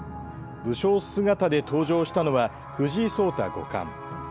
武将姿で登場したのは藤井聡太五冠。